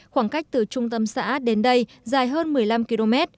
khoảng cách từ trung tâm xã đến đây dài hơn một mươi năm km